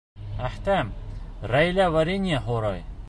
Әхтәм, Рәйлә варенье һорай.